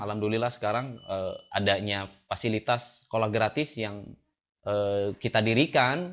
alhamdulillah sekarang adanya fasilitas sekolah gratis yang kita dirikan